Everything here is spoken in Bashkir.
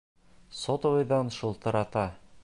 Сотовыйҙан шылтырата.